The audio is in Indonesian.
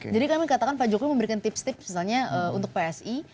jadi kami katakan pak jokowi memberikan tips tips misalnya untuk psi